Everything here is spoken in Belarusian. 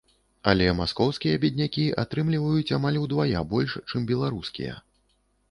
Але маскоўскія беднякі атрымліваюць амаль удвая больш, чым беларускія.